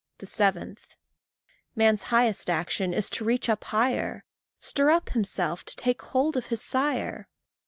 7. Man's highest action is to reach up higher, Stir up himself to take hold of his sire.